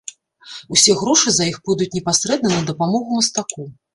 Усе грошы за іх пойдуць непасрэдна на дапамогу мастаку.